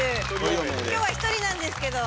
今日は１人なんですけど。